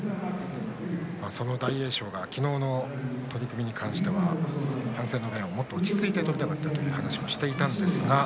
その大栄翔が昨日の取組に関してはもっと落ち着いて取りたかったと話していました。